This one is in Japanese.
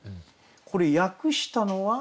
これ訳したのは。